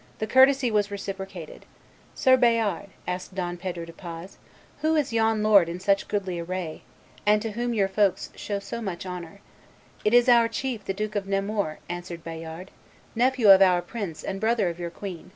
'" The courtesy was reciprocated. "Sir Bayard," asked Don Pedro de Paz, who is yon lord in such goodly array, and to whom your folks show so much honor?" "It is our chief, the Duke of Nemours," answered Bayard; "nephew of our prince, and brother of your queen."